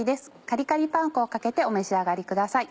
カリカリパン粉をかけてお召し上がりください。